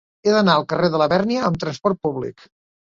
He d'anar al carrer de Labèrnia amb trasport públic.